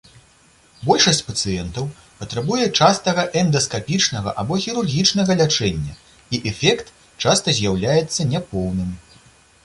Большасць пацыентаў патрабуе частага эндаскапічнага або хірургічнага лячэння, і эфект часта з'яўляецца няпоўным.